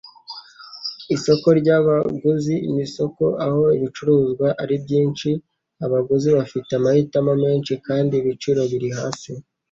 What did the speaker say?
Isoko ryabaguzi nisoko aho ibicuruzwa ari byinshi, abaguzi bafite amahitamo menshi, kandi ibiciro biri hasi